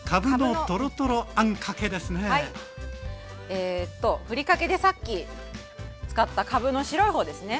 えとぶりかけでさっき使ったかぶの白い方ですね